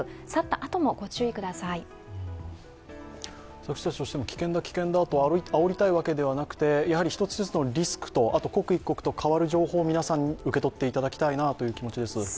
私たちとしても、危険だ危険だとあおりたいわけではなくて一つ一つのリスクと刻一刻変わる情報を皆さんに受け取っていただきたいなという気持ちです。